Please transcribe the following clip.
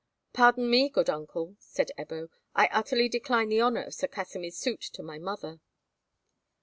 "Pardon me, good uncle," said Ebbo, "I utterly decline the honour of Sir Kasimir's suit to my mother."